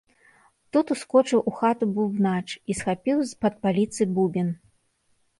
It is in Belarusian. Тут ускочыў у хату бубнач і схапіў з-пад паліцы бубен.